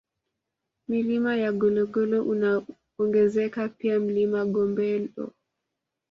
Milima ya Gologolo unaongezeka pia Mlima Gombelo